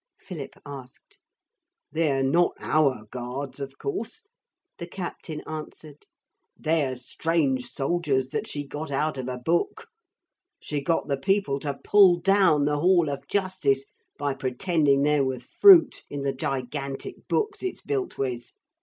Philip asked. 'They're not our guards, of course,' the captain answered. 'They're strange soldiers that she got out of a book. She got the people to pull down the Hall of Justice by pretending there was fruit in the gigantic books it's built with.